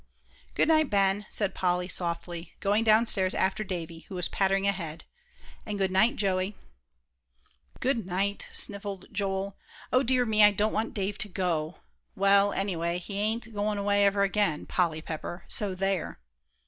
"Good night, Ben," said Polly, softly, going downstairs after Davie, who was pattering ahead, "and good night, Joey." "Good night," snivelled Joel. "O dear me, I don't want Dave to go. Well, anyway, he ain't goin' away ever again, Polly Pepper so there!"